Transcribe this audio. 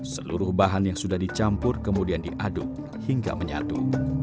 seluruh bahan yang sudah dicampur kemudian diaduk hingga menyatu